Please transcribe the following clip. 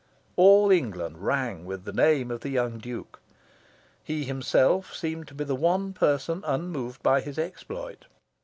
All England rang with the name of the young Duke. He himself seemed to be the one person unmoved by his exploit.